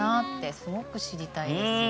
すごく知りたいです。